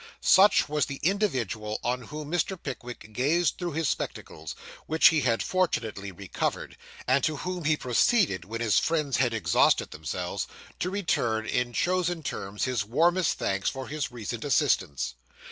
Such was the individual on whom Mr. Pickwick gazed through his spectacles (which he had fortunately recovered), and to whom he proceeded, when his friends had exhausted themselves, to return in chosen terms his warmest thanks for his recent assistance.